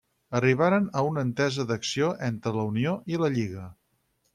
Arribaren a una entesa d'acció entre la Unió i la Lliga.